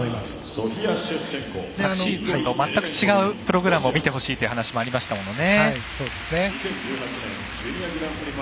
昨シーズンと全く違うプログラムを見てほしいという話もありましたものね。